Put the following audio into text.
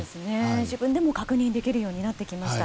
自分でも確認できるようになってきました。